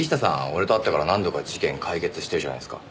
俺と会ってから何度か事件解決してるじゃないですか。